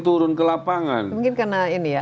turun ke lapangan mungkin karena ini ya